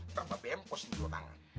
atau babi mpos di luar tangan